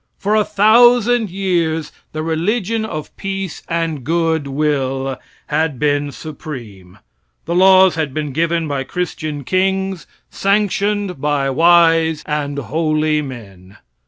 For a thousand years the religion of peace and good will had been supreme. The laws had been given by christian kings, sanctioned by "wise and holy men."